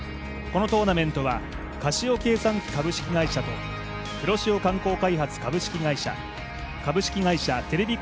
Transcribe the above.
このトーナメントはカシオ計算機株式会社黒潮観光開発株式会社株式会社テレビ